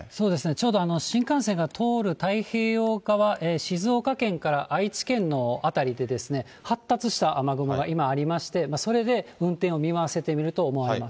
ちょうど新幹線が通る太平洋側、静岡県から愛知県の辺りで、発達した雨雲が今ありまして、それで運転を見合わせていると思われます。